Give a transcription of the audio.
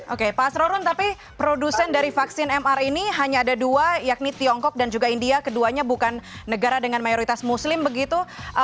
oke pak asrorun tapi produsen dari vaksin mr ini hanya ada dua yakni tiongkok dan juga india keduanya bukan negara dengan mayoritas muslim begitu